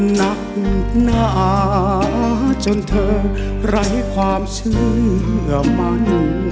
หนักหนาจนเธอไร้ความเชื่อมัน